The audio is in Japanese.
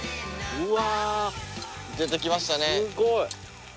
うわ！